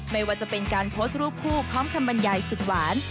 ไม่ว่าจะเป็นการโพสต์รูปคู่พร้อมคำบรรยายสุดหวาน